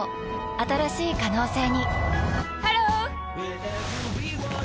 新しい可能性にハロー！